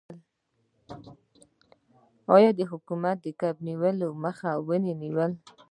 آیا حکومت د کب نیولو مخه ونه نیوله؟